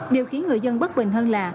điều khiến người dân bất bình hơn là